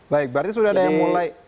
baik berarti sudah ada yang mulai